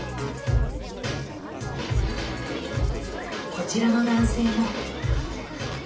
こちらの男性も。